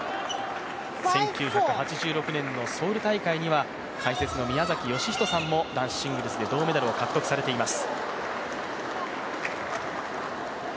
１９８６年のソウル大会には解説の宮崎義仁さんも男子シングルスで銅メダルを獲得されています。